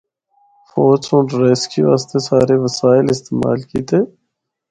فوج سنڑ ریسکیو اسطے سارے وسائل استعمال کیتے۔